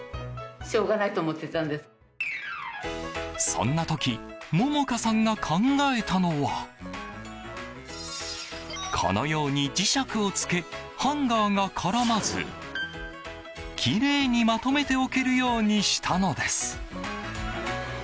そんな時杏果さんが考えたのはこのように磁石をつけハンガーが絡まずきれいにまとめておけるようにしたのです。